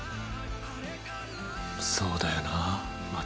そうだよな松。